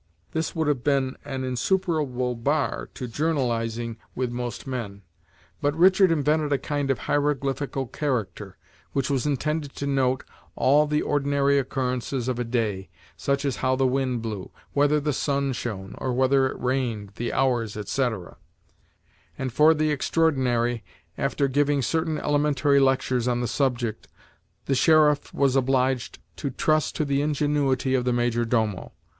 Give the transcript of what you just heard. This would have been an insuperable bar to journalizing with most men; but Richard invented a kind of hieroglyphical character, which was intended to note all the ordinary occurrences of a day, such as how the wind blew, whether the sun shone, or whether it rained, the hours, etc.; and for the extraordinary, after giving certain elementary lectures on the subject, the sheriff was obliged to trust to the ingenuity of the major domo.